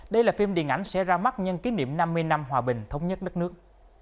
đây là phim điện ảnh sẽ ra mắt nhân kỷ niệm năm mươi năm hòa bình thống nhất đất nước